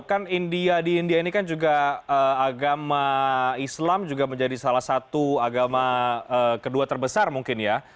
kan di india ini kan juga agama islam juga menjadi salah satu agama kedua terbesar mungkin ya